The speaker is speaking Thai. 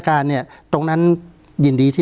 การแสดงความคิดเห็น